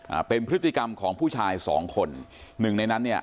อ่าเป็นพฤติกรรมของผู้ชายสองคนหนึ่งในนั้นเนี่ย